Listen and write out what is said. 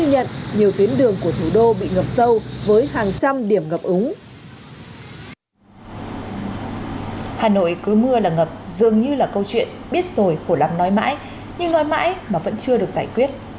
hà nội cứ mưa là ngập dường như là câu chuyện biết rồi khổ lắm nói mãi nhưng nói mãi mà vẫn chưa được giải quyết